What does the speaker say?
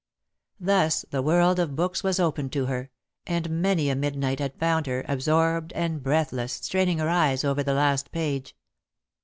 Thus the world of books was opened to her, and many a midnight had found her, absorbed and breathless, straining her eyes over the last page.